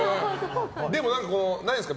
でも、ないんですか？